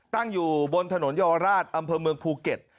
ตั้งอยู่บนถนนเยาวราชอำเภอเมืองภูเก็ต